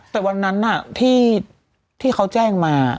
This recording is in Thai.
แต่วันนั้นที่เขาแจ้งมา